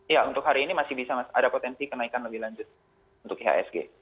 ya untuk hari ini masih bisa ada potensi kenaikan lebih lanjut untuk ihsg